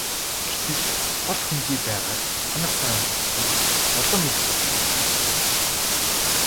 Гэтэл хол хөндий байгаад хоног сар өнгөрөх бүр улам их бодогддог юм байна.